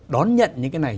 đón nhận những cái này